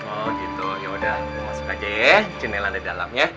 oh gitu yaudah masuk aja ya ncing nelan dari dalam ya